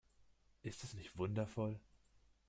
Ist es nicht wundervoll?